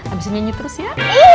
abis nyanyi terus ya